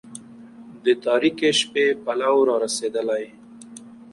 د تاريكي شپې پلو را رسېدلى